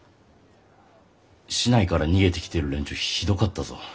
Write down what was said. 市内から逃げてきてる連中ひどかったぞ。